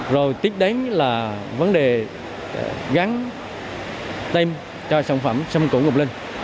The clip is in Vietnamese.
rồi tiếp đến là vấn đề gắn tem cho sản phẩm xâm củ ngọc linh